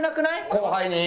後輩に。